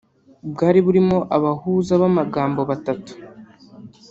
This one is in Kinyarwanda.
Bwari burimo abahuza b’amagambo batatu